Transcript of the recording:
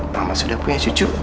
mama sudah punya cucu